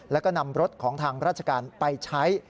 แล้วก็นำรถของทางราชการไปใช้